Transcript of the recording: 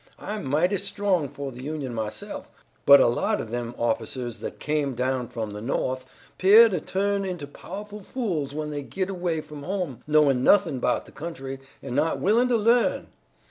I'm mighty strong fo' the Union myself, but a lot of them officers that came down from the no'th 'pear to tu'n into pow'ful fools when they git away from home, knowin' nothin' 'bout the country, an' not willin' to lea'n.